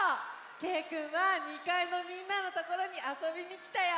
けいくんは２かいのみんなのところにあそびにきたよ！